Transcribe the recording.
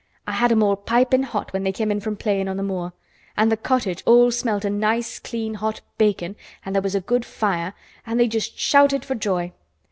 "I had 'em all pipin' hot when they came in from playin' on th' moor. An' th' cottage all smelt o' nice, clean hot bakin' an' there was a good fire, an' they just shouted for joy.